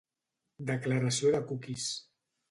Declaració de cookies.